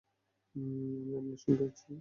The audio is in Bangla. আমি আপনার সঙ্গে আছি।